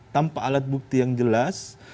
tanpa alat bukti yang jelas